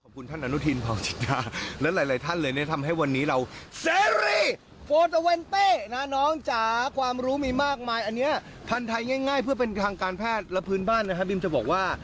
ใบกระท่อมพื้นบ้านนะครับบีมจะบอกว่า